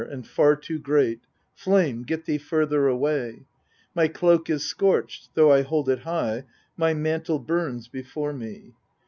and far too great ; flame, get thee further away ! my cloak is scorched though I hold it high ; my mantle burns before me.